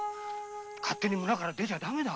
勝手に村から出ちゃダメだ。